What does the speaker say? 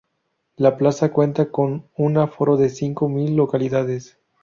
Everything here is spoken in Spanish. La plaza cuenta con un aforo de cinco mil localidades.